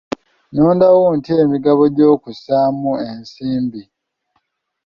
Nnonda wo ntya emigabo egy'okussaamu ensimbi?